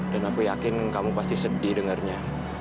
dan aku yakin kamu pasti sedih dengernya